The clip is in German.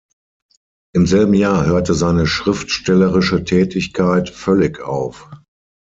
Im selben Jahr hörte seine schriftstellerische Tätigkeit völlig auf.